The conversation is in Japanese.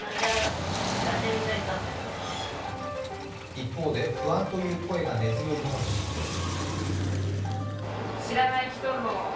一方で不安という声が根強いのも事実です。